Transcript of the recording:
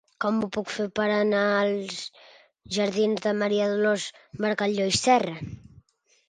Com ho puc fer per anar als jardins de Maria Dolors Bargalló i Serra?